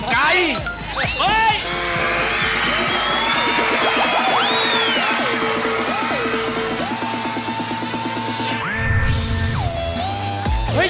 ไก่